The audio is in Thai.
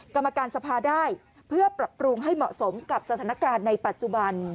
กรรมการสภาได้เพื่อปรับปรุงให้เหมาะสมกับสถานการณ์ในปัจจุบัน